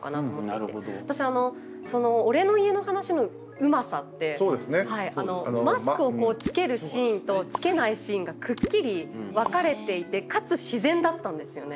私その「俺の家の話」のうまさってマスクをつけるシーンとつけないシーンがくっきり分かれていてかつ自然だったんですよね。